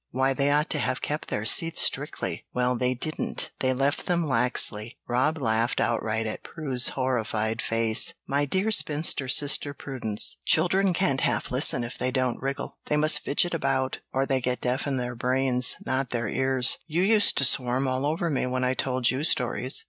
Why, they ought to have kept their seats strictly." "Well, they didn't; they left them laxly." Rob laughed outright at Prue's horrified face. "My dear spinster sister Prudence, children can't half listen if they don't wriggle they must fidget about, or they get deaf in their brains not their ears. You used to swarm all over me when I told you stories."